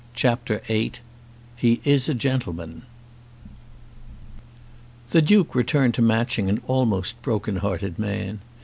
CHAPTER VIII "He Is a Gentleman" The Duke returned to Matching an almost broken hearted man.